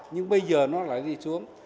nhưng bây giờ nó lại đi xuống